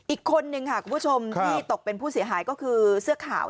อีกคนนึงค่ะคุณผู้ชมที่ตกเป็นผู้เสียหายก็คือเสื้อขาว